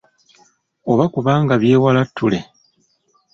Oba kubanga byewala ttule.